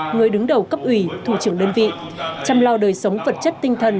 người đứng đầu cấp ủy thủ trưởng đơn vị chăm lo đời sống vật chất tinh thần